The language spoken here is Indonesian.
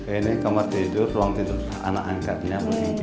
ini kamar tidur ruang tidur anak angkatnya